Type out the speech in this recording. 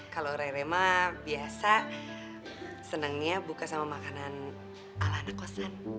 kalau rerema biasa senangnya buka sama makanan ala anak kosan